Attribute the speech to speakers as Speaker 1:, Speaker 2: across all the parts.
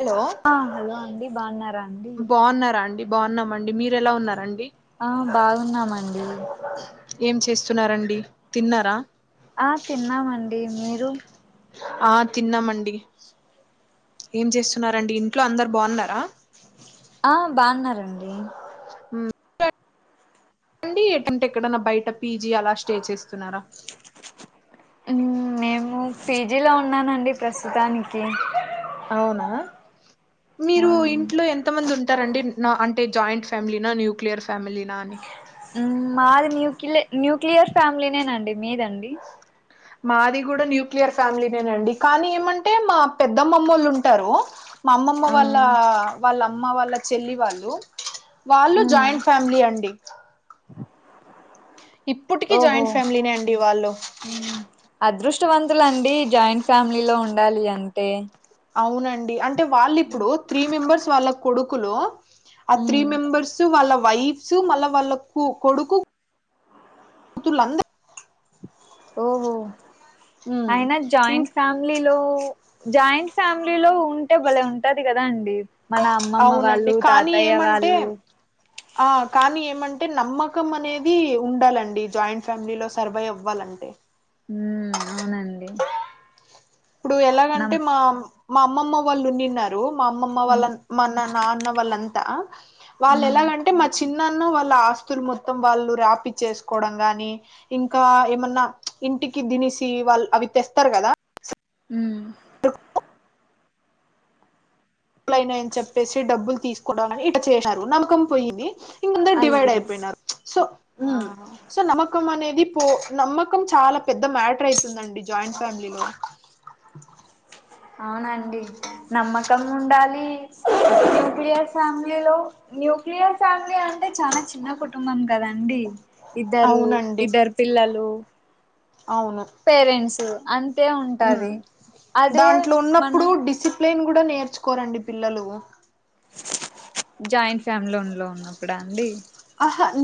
Speaker 1: Hello
Speaker 2: ఆ hello అండి బాగున్నారా అండి
Speaker 1: బాగున్నారా అండి బాగున్నామండి మీరేలా ఉన్నారండి
Speaker 2: ఆ బాగున్నామండి
Speaker 1: ఏం చేస్తున్నారండి తిన్నారా
Speaker 2: ఆ తిన్నామండి మీరు
Speaker 1: ఆ తిన్నామండి ఏం చేస్తున్నారండి ఇంట్లో అందరు బాగున్నారా
Speaker 2: ఆ బాగున్నారండి
Speaker 1: రండి ఏటంటే ఎక్కడన్నా బయట పీజీ అలా స్టే చేస్తున్నారా
Speaker 2: మేము పీజీలో ఉన్నానండి ప్రస్తుతానికి
Speaker 1: అవునా మీరు
Speaker 2: మ్మ్
Speaker 1: ఇంట్లో ఎంత మంది ఉన్ ఉంటారండి నా అంటే జాయింట్ ఫ్యామిలీ నా న్యూక్లియర్ ఫ్యామిలీనా అని
Speaker 2: మాది న్యూక్లి న్యూక్లియర్ ఫ్యామిలీ నేనండి మీదండి
Speaker 1: మాది కూడా న్యూక్లియర్ ఫ్యామిలీ నేనండి కానీ ఏమంటే మా పెద్దమ్మమ్మ వాళ్ళు ఉంటారు మా అమ్మమ్మ
Speaker 2: ఆ
Speaker 1: వాళ్ళ వాళ్ళ అమ్ అమ్మ వాళ్ళ చెల్లి వాళ్ళు వాళ్ళు జాయింట్ ఫ్యామిలీ అండి
Speaker 2: ఆ
Speaker 1: ఇప్పటికీ జాయింట్ ఫ్యామిలీనే అండి వాళ్ళు
Speaker 2: అద్రుష్టవంతుల అండి జాయింట్ ఫ్యామిలీ లో ఉండాలి అంటే
Speaker 1: అవునండి అంట్ అంటే వాళ్ళు ఇప్పుడు త్రీ మెంబర్స్ వాళ్ళ కొడుకులు ఆ త్రీ
Speaker 2: మ్మ్
Speaker 1: మెంబర్స్ మాళ్ళ వ్ వైఫ్స్ మళ్ళా వాళ్ళకు కొడుకు పంతులు అంద
Speaker 2: ఓహో అయినా
Speaker 1: ఇం
Speaker 2: జాయింట్ ఫ్యామిలీలో జాయింట్ ఫ్యామిలీ లో ఉంటే భలే ఉంటాది కదా రాండి
Speaker 1: అవునండి కానీ ఏమంటే
Speaker 2: వాళ్ళు
Speaker 1: ఆ కానీ ఏమ్ అంటే నమ్మకం అనేది ఉండాలండి జాయింట్ ఫ్యామిలీలో సర్వైవ్ అవ్వాలంటే
Speaker 2: ఉ అవునండి
Speaker 1: ఇప్పుడు
Speaker 2: నమ్
Speaker 1: ఎలాగంటే మా మా అమ్మమ్మ వాళ్ళు ఉండిన్నారు మాఅమ్మామ్మ
Speaker 2: ఉమ్
Speaker 1: వాళ్ళంమ్ మన నాన్న వాళ్ళం తా వాళ్ళు
Speaker 2: ఉమ్
Speaker 1: ఎలాగంటే మా చిన్ నన్ను వాళ్ళ ఆస్తులు మొత్తం వాళ్ళు రాపి చేసుకోవడం గాని ఇంకా ఏమన్నా ఇంటికి దినిసి వాళ్ళు అవి తెస్తారు కదా
Speaker 2: మ్మ్
Speaker 1: అప్పులు అయినాయని చెప్పేసి డబ్బులు తీసుకు [unintelligible] ని ఇ చేసారు నమ్మకం పోయింది అందరు డివైడ్
Speaker 2: అయ్యో
Speaker 1: అయిపోయినారు సో
Speaker 2: ఆ
Speaker 1: సో నమ్మకం అనేది తో నమ్మకం చాలా పెద్ద మ్యాటర్ అయితుందండి జాయింట్ ఫ్యామిలీలో
Speaker 2: అవునం డి నమ్మకం ఉండాలి న్యూక్లియస్ ఫ్యామిలిలో న్యూక్లియస్ ఫ్యామిలీ అంటే చాలా చిన్న కుటుంబం కదండి ఇద్దరు
Speaker 1: అవునండి
Speaker 2: ఇద్దరు పిల్లలు పేరెంట్స్ అం
Speaker 1: హు దాంట్లో ఉన్నప్పుడు
Speaker 2: మన
Speaker 1: డిసిప్ ప్లేన్ కూడా నేర్చుకోరండి పిల్లలు
Speaker 2: జాయింట్ ఫ్యామిలీ ఉన్లో ఉన్నప్పుడా అండి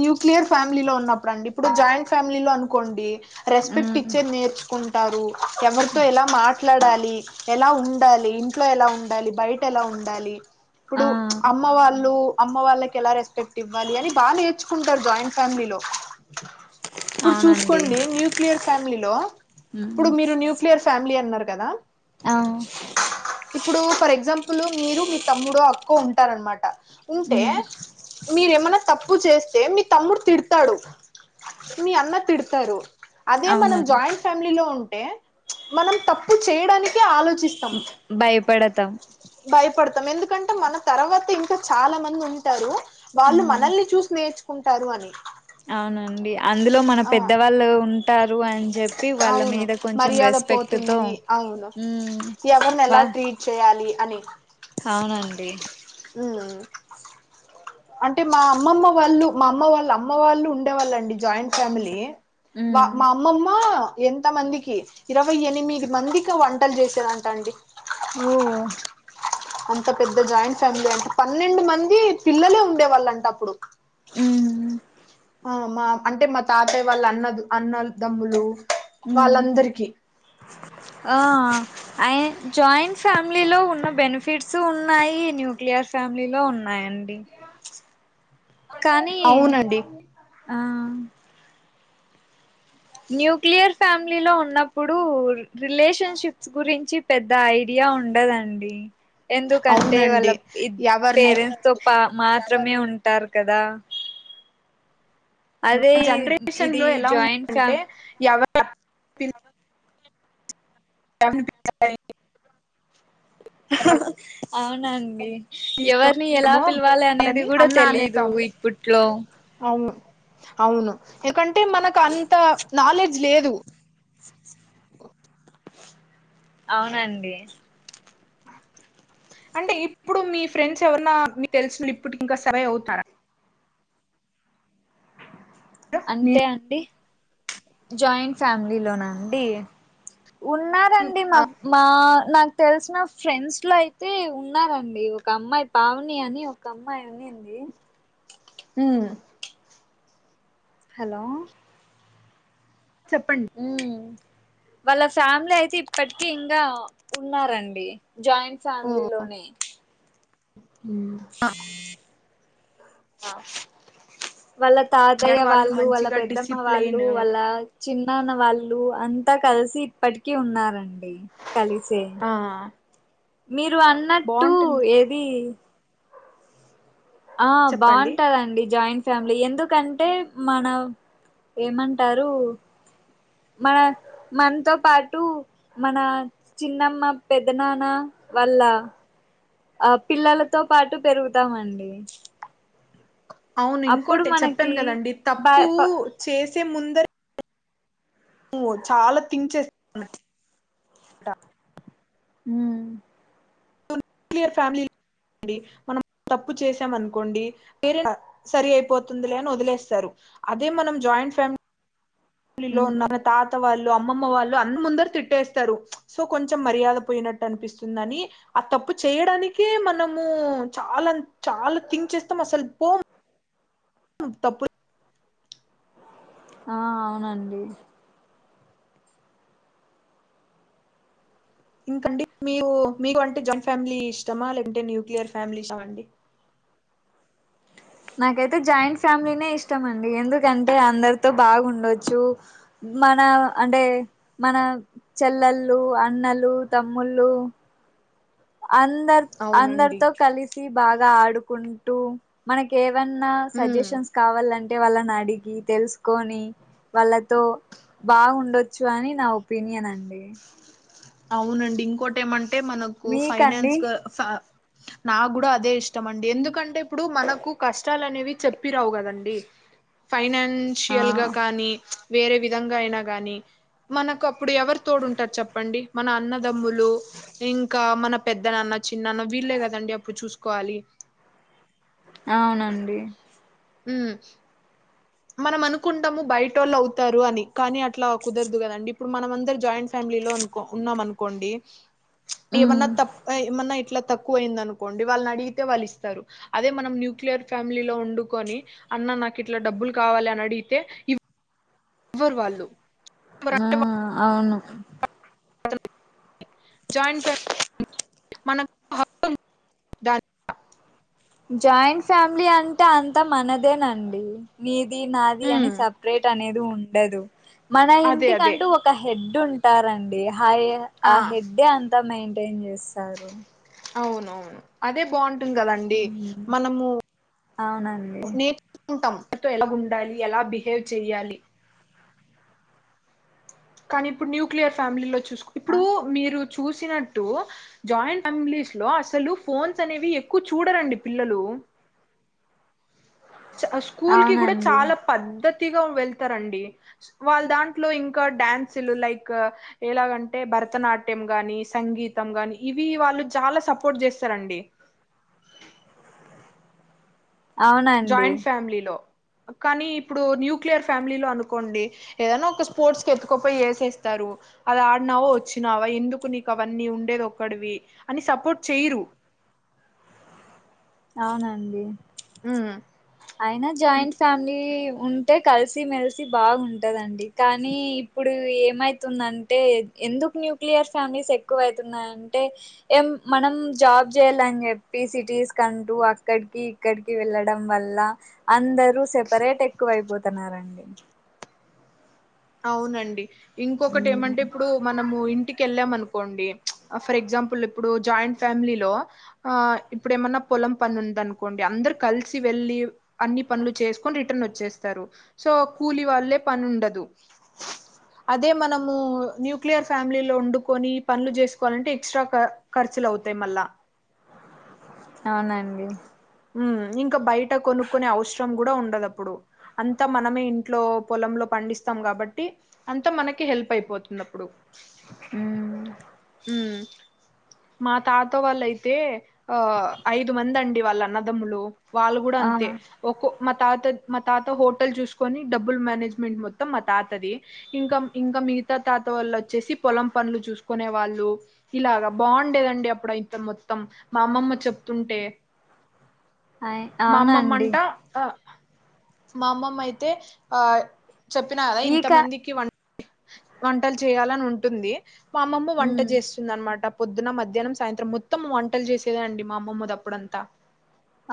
Speaker 1: న్యూక్లియర్ ఫ్యామిలీలో ఉన్నప్పుడు అండి ఇప్పుడు జాయింట్ ఫ్యామిలీలో అనుకోండి రెస్పెక్ట్
Speaker 2: మ్మ్
Speaker 1: ఇచ్చేది నేర్చుకుం ంటారు ఎవరితో ఎలా మాట్ ట్లాడాలి ఎలా ఉండాలి ఇంట్లో ఎలా ఉండాలి బయట ఎలా ఉండాలి
Speaker 2: ఆ
Speaker 1: ఇప్పుడు అమ్మ వాళ్ళు అమ్మ వాళ్ళకి ఎలా రెస్పెక్ట్ ఇవ్వాలి అని బాగా నేర్చుకుంటారు జాయింట్ ఫ్యామిలీలో ఇప్పుడు
Speaker 2: అవునండి
Speaker 1: చూసుకోండి న్యూక్లియర్ ఫ్యామిలీలో ఇప్పుడు
Speaker 2: మ్మ్
Speaker 1: మీరు న్యూక్లియర్ ఫ్యామిలీ అన్నారు కదా
Speaker 2: ఆ
Speaker 1: ఇప్పుడు ఫర్ ఎగ్జాం ప్పులు మీరు మీ తమ్ముడు అక్కో ఉంటారన్నమాట ఉంటే
Speaker 2: మ్మ్
Speaker 1: మీరేమన్నా తప్ ప్పు చేస్తే మీ తమ్ముడు తిడతాడు మీ అన్న తిడతారు అదే మనం
Speaker 2: అవునండి
Speaker 1: జాయింట్ ఫ్యామిలీలో ఉన్ టే మనం తప్పు చేయడాని
Speaker 2: భయపడ త్తం
Speaker 1: భయపడతాం ఎందుకంటే మన తర్వాత ఇంకా చాలా మంది ఉంటారు వాళ్ళు
Speaker 2: మ్మ్
Speaker 1: మనల్ని చూసి నేర్చు కుంటారు అని
Speaker 2: అవునండి అందులో మన
Speaker 1: ఆ
Speaker 2: పెద్దవాళ్ళు ఉ ఉంటారు అని చెప్పి వాళ్ళ
Speaker 1: అవును
Speaker 2: మీద కొంచెం
Speaker 1: మర్యాద
Speaker 2: రెస్పెక్ట్ తో
Speaker 1: పోతుంది అవును
Speaker 2: హు
Speaker 1: ఎవరిని ఎలా
Speaker 2: వా
Speaker 1: ట్రీట్ చేయాలి అని
Speaker 2: అవునండి
Speaker 1: మ్ అంటే మా అమ్మమ్మ వాళ్ళు మా అమ్మ వాళ్ళ అమ్మ వాళ్ళు ఉండేవాళ్ళండి జాయింట్ ఫ్యామిలీ వా
Speaker 2: మ్మ్
Speaker 1: మా అమ్మమ్మా ఎంత మందికి ఇరవై ఎనిమిది మంది ఇంకా వంటలు చేసేదంటండి
Speaker 2: ఓ
Speaker 1: అంత పెద్ద జాయింట్ ఫ్యామిలీ అంటే పన్నెండు మంది పిల్లలే ఉండే వాళ్ళంట అప్పుడు
Speaker 2: ఉమ్
Speaker 1: ఆ మా అంటే మా తాతయ్య వాళ్ళ అన్న అన్నదమ్ములు
Speaker 2: ఉమ్
Speaker 1: వాళ్ళందరికి
Speaker 2: ఆ అ జాయింట్ ఫ్యామిలీలో ఉన్న బెనిఫ కిడ్స్ ఉన్నాయి న్యూక్లియర్ ఫ్యామిలీ లో ఉన్నాయండి కానీ
Speaker 1: అవునండి
Speaker 2: ఆ న్యూక్లియర్ ఫ్యామిలీ లో ఉన్నప్పుడు రిలేషన్షిప్స్ గురించి పెద్ద ఐడియా ఉండదండి ఎందుకంటే
Speaker 1: అవునండి
Speaker 2: వాళ్ళ
Speaker 1: ఎవరిని
Speaker 2: పేరెంట్స్ తో పా మా మాత్రమే ఉంటారు కదా అదే
Speaker 1: జనరేషన్
Speaker 2: ఇది
Speaker 1: లో ఎలా
Speaker 2: జాయింట్
Speaker 1: ఉంటారు అంటే
Speaker 2: ఫ్యామ్
Speaker 1: ఎవ ఎవరిని పిలిచారు ఎవరిని
Speaker 2: అవునండి ఎవరిని ఎలా
Speaker 1: తీసుకొచ్చామో
Speaker 2: పిలవాలి అనేది
Speaker 1: వాళ్ళని
Speaker 2: కూడా
Speaker 1: అన్న
Speaker 2: తెలీదు
Speaker 1: అనేస్తాం
Speaker 2: ఇప్పట్లో
Speaker 1: అవును అవును ఎకంటే మనకు అంత నాలెడ్జ్ లేదు
Speaker 2: అవునండి
Speaker 1: అంటే ఇప్పుడు మీ ఫ్రెండ్స్ ఎవరన్నా మీకు తెలిసినోళ్లు ఇప్పటికీ ఇంకా సర్వైవ్ అవుతున్నారా
Speaker 2: అంటే అండి జాయింట్ ఫ్యామిలీ లోన అండి ఉన్నారండి మా మా నాకు తెలిసిన ఫ్రెండ్స్ లో అయితే ఉన్నారండి ఒక అమ్మాయి పావని అని ఒక అమ్మాయి ఉన్నింది
Speaker 1: ఉమ్
Speaker 2: హలో
Speaker 1: చెప్పండి
Speaker 2: ఉమ్ వాళ్ళ ఫ్యామిలీ అయితే ఇప్పటిక ఇంకా ఉన్నారండి జాయింట్ ఫ్యామిలీ లోనే ఉమ్ ఆ వాళ్ళ
Speaker 1: అంటే
Speaker 2: తాతయ్య వాళ్ళు వాళ్ళ
Speaker 1: మంచిగా
Speaker 2: పెద్దమ్మ వాళ్ళు
Speaker 1: డిసిప్లైన్
Speaker 2: వాళ్ళ చిన్నాన్న వాళ్ళు అ అంత కలిసి ఇప్పటికీ ఉన్నారండి కలిచే
Speaker 1: ఆ
Speaker 2: మీరు అన్నట్టు
Speaker 1: బాగుంటుంది
Speaker 2: ఏది ఆ
Speaker 1: చెప్పండి
Speaker 2: బాగుంటదండి జాయింట్. ఫ్యామిలీ ఎందుకంటే మన ఏమంటారు. మన మనతో పాటు మన చిన్నమ్మ పెద్దనాన్న వాళ్ల ఆ పిల్లలతో పాటు పెరుగుతామండి.
Speaker 1: అవును
Speaker 2: అప్పుడు
Speaker 1: ఇంకోటి
Speaker 2: మనకి
Speaker 1: చెప్పాను కదండి
Speaker 2: బా
Speaker 1: తప్పు
Speaker 2: ప
Speaker 1: చేసే ముందు [unintelligible] నువ చాలా థింక్ చేస్తా ట
Speaker 2: హ్మ్మ్
Speaker 1: నూక్లియర్ ఫ్యామిలీ అనుకోండి మనం తప్పు చేసాం అనుకోండి సరి అయిపోతుందిలే అని వదిలేస్తారు అదే మనం జాయింట్ ఫ్యామిలీ
Speaker 2: ఉమ్
Speaker 1: తాత వాళ్ళు అమ్మమ్మ వాళ్ళు అన్ని ముందర తిట్టేస్తారు సో కొంచెం మర్యాద పోయినట్టు అనిపిస్తుందని ఆ తప్పు చేయడానికే మనము చాలా చాలా థింక్ చేస్తాం అసలు పో తప్పు.
Speaker 2: ఆ అవునండి.
Speaker 1: ఇంకండి మీ మీకు అంటే జాయింట్ ఫ్యామిలీ ఇష్టమా లే అంటే న్యూక్లియర్ ఫ్యామిలీ ఇష్టమా అండి.
Speaker 2: నాకైతే జాయింట్ ఫ్యామిలీనే ఇష్టం అండి ఎందుకంటే అందరితో బాగుండొచ్చు మన అంటే మన చెల్లల్లు అన్నలు, తమ్ముళ్ళు అందర్
Speaker 1: అవునండి
Speaker 2: అందరితో కలిసి బాగా ఆడుకుంటూ మనక ఏ ఏవన్నా
Speaker 1: ఉమ్
Speaker 2: సజెషన్స్ కావాలంటే అంటే వాళ్ళని అడిగి తెలుసుకొని వాళ్ళతో బాగుండొచ్చు అని నా ఒపీనియన్ అండి
Speaker 1: అవునండి ఇంకోట ఏమం అంటే మనకు
Speaker 2: మీకండి
Speaker 1: ఫైనాన్స్గా నాకు కూడా అదే ఇష్టం అండి ఎందుకంటే ఇప్పుడు మనకు కష్టాలు అనేవి చెప్పి రావు కదండి ఫైనాన్
Speaker 2: ఆ
Speaker 1: న్షియల్ గా కానీ వేరే విధంగా అయినా గాని మనకు అప్పుడు ఎవరు తోడుంటారు చెప్పండి మన అన్నదమ్ములు ఇంకా మన పెద్ద నాన్న చిన్నన్న వీళ్ళే కదండి అప్పుడు చూసుకోవాలి
Speaker 2: అవునండి
Speaker 1: మ్ మనం అనుకుంటాము బయట వాళ్ళు అవుతారు అని కానీ అట్లా కుదరదు కదండి ఇప్పుడు మనం అందరు జాయింట్ ఫ్యామిలీలో అనుకో ఉన్నాం అనుకోండి
Speaker 2: ఉమ్
Speaker 1: ఏమన్నా తప్ప ఏమన్నా ఎట్లా తక్కువ ఐంది అనుకోండి వాళ్ళని అడిగితే వాళ్ళు ఇస్తారు అదే మనం నూక్లియర్ ఫ్యామిలీలో ఉండుకొని అన్న నాకు ఇట్ల డబ్బులు త కావాలని అడిగితే ఇ వ్వర్ వాళ్ళు
Speaker 2: ఆ
Speaker 1: ఎవరంటే
Speaker 2: అవును [unintelligible]
Speaker 1: జాయింట్ ఫ్యామిలీ మనకు
Speaker 2: జాయింట్ ఫ్యామిలీ అంటే అంతా మనదేనండి నీ ది నాది అని సపరేట్ అనేది ఉ ఉండదు మన
Speaker 1: అదే అదే
Speaker 2: ఇంటికంటూ ఒక హెడ్ ఉంట ఉంటారండి హాయ ఆ హెడ్డ అంతామై ఎమ్ చేస్తారు
Speaker 1: అవునవును అదే బాగుంట ఉంటాం కదాండి మనము
Speaker 2: అవునండి
Speaker 1: నేర్చుకుంటాం తో ఎలా ఉండాలి ఎలా బిహేవ్ చెయ్యాలి కానీ ఇప్పుడు న్యూక్లియర్ ఫ్యామిలీలో చూసుకో ఇప్పుడు మీరు చూసినట్టు జాయింట్ ఫ్యామిలీస్ లో అసలు ఫోన్స్ అనేవి ఎక్కువ చూడరండి పిల్లలు చ స్కూల్ కి కూడా
Speaker 2: అవునండి
Speaker 1: చాలా పద్దతి పూర్తిగా వెళ్తారండి వాళ్ళ దాంట్లో ఇంకా డ్యాన్సులు లైక్ ఎలాగంటే భరతనాట్యం గానీ సంగీతం గానీ ఇవి వాళ్ళు చాలా సపోర్ట్ చేస్తారండి
Speaker 2: అవునండి
Speaker 1: జాయింట్ ఫ్యామిలీ లో కానీ ఇప్పుడు న్యూక్లియర్ ఫ్యామిలీలో అనుకోండి ఏదైనా ఒక స్పోర్ట్స్ కి ఎత్తుకపోయి వేసేస్తారు అది ఆడినావా వచ్చినావా ఎందుకు నీకు అవన్నీ ఉండేది ఒక్కడివి అని సపోర్ట్ చెయరు
Speaker 2: అవునండి
Speaker 1: హు
Speaker 2: అయినా జాయింట్ ఫ్యామిలీ ఉంటే కలిసి మెలిసి బాగుంటదండి కానీ ఇప్పుడు ఏమైతుందంటే ఎందుకు న్యూక్లియర్ ఫ్యామిలీస్ ఎక్కువ అవుతుంది అంటే ఏం మనం జాబ్ చేయాలని చెప్పి సిటీస్ కంటూ అక్కడికి ఇక్కడికి వెళ్ళడం వల్ల ల అందర్ ఇప్పుడు సేపరేట్ ఎక్కువైపోతున్నారండి
Speaker 1: అవునండి ఇంకొకటి
Speaker 2: మ్మ్
Speaker 1: ఏమంటే ఇప్పుడు మనము ఇంటికెళ్ళాంఅనుకోండి కోండి ఫర్ ఎగ్జాంపుల్ ఇప్పుడు జాయింట్ ఫ్యామిలీలో ఆ ఇప్పుడు ఏమన్నా పొలం పని ఉంద అనుకోండి అందరు కలిసి వెళ్లి అన్ని పనులు చేసుకొని రిటర్న్ వచ్చేస్తారు సో కూలి వాళ్ళే పని ఉండదు అదే మనము న్యూక్లియర్ ఫ్యామిలీ లో వండుకొని పనులు చేసుకోవాలంటే ఎక్స్ట్రా ఖర్చులు అవుతాయి మళ్ళా
Speaker 2: అవునండి
Speaker 1: ఇంకా బయట కొనుకునే అవసరం కూడా ఉండదుప్పుడు అంతా మనమే ఇంట్లో పొలంలో పండిస్తాం కాబట్టి అంతా మనకి హెల్ప్ అయిపోతుంది అప్పుడు
Speaker 2: హు
Speaker 1: ఉమ్ మా తాత వాళ్ళయితే ఆ ఐదు మంది అండి వాళ్ళన్న దమ్ములు వాళ్ళు కూడా
Speaker 2: ఆ
Speaker 1: అంతే ఒ మా తాత మా తాత హోటల్ చూసుకొని డబ్బుల్ మేనేజ్మెంట్ మొత్తం మా తాతది ఇంకా ఇంకా మిగతా తాత వాళ్ళు వచ్చేసి పొలం పనులు చూసుకునే వాళ్ళు ఇలాగా బాగుండేదండి అప్పుడు ఇంత మొత్తం మా అమ్మమ్మ చెప్తుంటే
Speaker 2: అయ్
Speaker 1: మా
Speaker 2: అవునండి
Speaker 1: అమ్మమ్మంటా ఆ మా అమ్మమ్మ అయితే ఆ చెప్పినా కదా
Speaker 2: ఈ
Speaker 1: ఇంత
Speaker 2: కా
Speaker 1: మందికి వ వంటలు చేయాలని ఉంటుంది మా అమ్మమ్మ వంట
Speaker 2: ఉమ్
Speaker 1: చేస్తుంది అనమాట పొద్దున, మధ్యాహ్నం, సాయంత్రం మొత్తం వంటలు చేసేదే అండి. మా అమ్మమ్మదాప్పుడంతా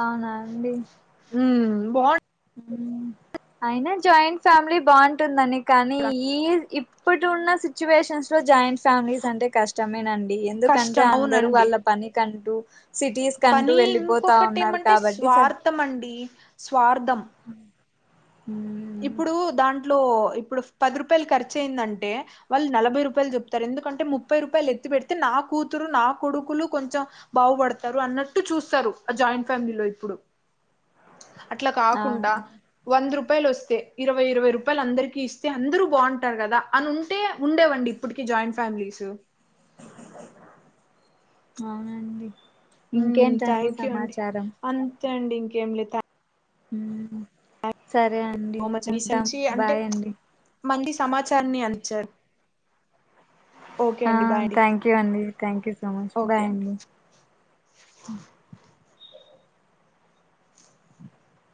Speaker 2: అవునా అండి.
Speaker 1: హ్మ్ బాగుం
Speaker 2: అయినా జాయింట్ ఫ్యామిలీ బాగుంటుంద నిక్ కానీ ఈ ఇ ఇప్పుడు చూడ్న్న సిచ్యువేషన్స్ లో జాయింట్ ఫ్యామిలీస్ అంటే కష్టమేనండి ఎందుకంటే
Speaker 1: కష్టం
Speaker 2: అందరూ
Speaker 1: అవునండి
Speaker 2: వాళ్ళ పని కంటూ [inaudible] కంటూ
Speaker 1: పని
Speaker 2: వెళ్ళిపోతా
Speaker 1: ఇంకొకటి
Speaker 2: ఉన్నారు
Speaker 1: ఏమంటే
Speaker 2: కాబట్టి
Speaker 1: స్వార్థం అండి. స్వార్థం
Speaker 2: అ
Speaker 1: ఇప్పుడు దాంట్లో ఇప్పుడు పది రూపాయలు ఖర్చు అయిందంటే వాళ్ళు నలభై రూపాయలు చెప్తారు. ఎందుకంటే ముప్పై రూపాయలు ఎత్తి పెడితే నా కూతురు నా కొడుకులు కొంచెం బాగుపడతారు. అన్నట్టు చూస్తారు ఆ జాయింట్ ఫ్యామిలీలో ఇప్పుడు అట్లా కాకుండా
Speaker 2: అవును
Speaker 1: వంద రూ పెలుస్ ఇరవై ఇరవై రూపాయలు అందరికి ఇస్తే అందరూ బాగుంటారు. కదా అని ఉంటే ఉండేవండి ఇప్పటికి జాయింట్ ఫ్యామిలీస్
Speaker 2: అవునండి ఇంకేంటండి సమాచారం
Speaker 1: చండి ఇంకేం లే థాం
Speaker 2: హ్మ్మ్ సరే అండి
Speaker 1: యూ
Speaker 2: ఉంటాం. బాయ్ అండి
Speaker 1: మంది సమాచారాన్ని అంచాన్
Speaker 2: ఆ థ్యాంక్ యూ అండి. Thank you so much bye అండి.